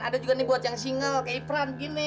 ada juga nih buat yang single kayak peran gini